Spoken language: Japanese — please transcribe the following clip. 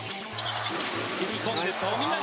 切り込んで富永！